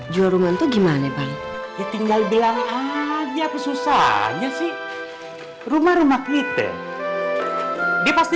jual rumah itu gimana paling tinggal bilang aja kesusahannya sih rumah rumah kita dia pasti